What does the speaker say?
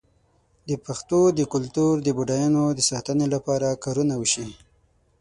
د پښتو د کلتور د بډاینو د ساتنې لپاره کارونه وشي.